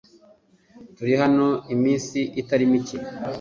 Turi hano iminsi itari mike